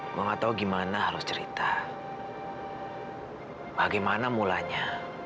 gue nggak tahu gimana harus cerita bagaimana mulanya